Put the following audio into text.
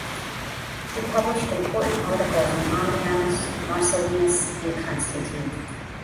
He published important articles on Ammianus Marcellinus and Constantine.